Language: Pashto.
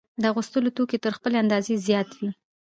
د اغوستلو توکي تر خپلې اندازې زیات وي